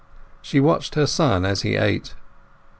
She watched her son as he ate.